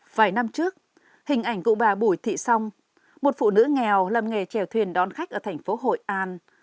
vài năm trước hình ảnh cụ bà bùi thị song một phụ nữ nghèo làm nghề trèo thuyền đón khách ở thành phố hội an